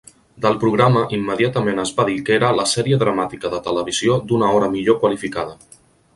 Del programa immediatament es va dir que era "la sèrie dramàtica de televisió d'una hora millor qualificada".